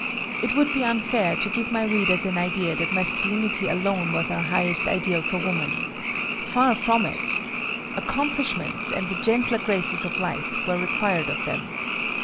] It would be unfair to give my readers an idea that masculinity alone was our highest ideal for woman. Far from it! Accomplishments and the gentler graces of life were required of them.